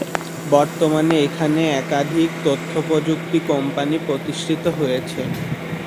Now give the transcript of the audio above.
বর্তমানে এখানে একাধিক তথ্যপ্রযুক্তি কোম্পানি প্রতিষ্ঠিত হয়েছে।